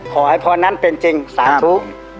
ขอให้พอร์นันเป็นจริง๓ทุ